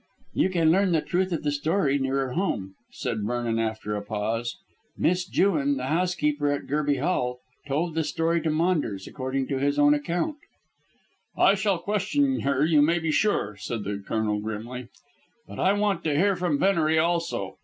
"You can learn the truth of the story nearer home," said Vernon after a pause. "Miss Jewin, the housekeeper at Gerby Hall, told the story to Maunders, according to his own account." "I shall question her, you may be sure," said the Colonel grimly; "but I want to hear from Venery also.